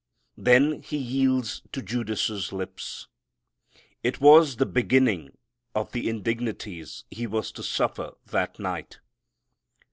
Then He yields to Judas' lips. It was the beginning of the indignities He was to suffer that night.